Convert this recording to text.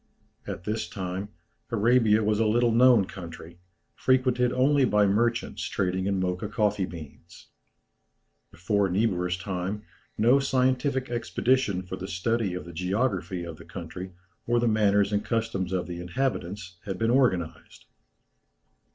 At this time Arabia was a little known country, frequented only by merchants trading in Mocha coffee beans. Before Niebuhr's time no scientific expedition for the study of the geography of the country or the manners and customs of the inhabitants had been organized.